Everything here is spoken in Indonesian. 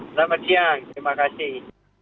selamat siang terima kasih